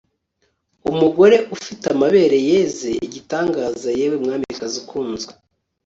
Umugore ufite amabere yeze igitangaza yewe mwamikazi ukunzwe